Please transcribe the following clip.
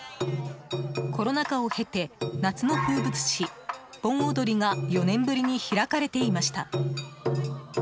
コロナ禍を経て夏の風物詩、盆踊りが４年ぶりに開かれていました。